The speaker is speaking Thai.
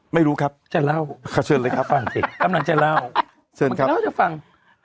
ไม่รู้ครับชาเล่าฟังสิกำลังจะเล่ามันก็เล่าให้ฟัง